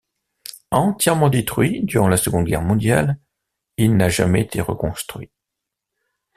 Entièrement détruit durant la Seconde Guerre mondiale, il n'a jamais été reconstruit.